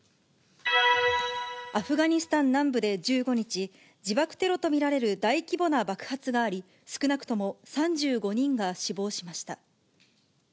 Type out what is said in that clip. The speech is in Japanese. アフガニスタン南部で１５日、自爆テロと見られる大規模な爆発があり、少なくとも３５人が死亡しました。